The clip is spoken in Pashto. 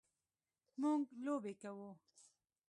مونږ لوبې کوو